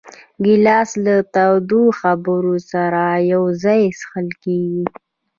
ګیلاس له تودو خبرو سره یو ځای څښل کېږي.